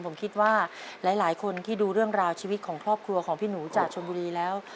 ผมคิดว่าหลายคนที่ดูเรื่องราวชีวิตของครอบครัวของพี่หนูจากชนบุรีแล้ว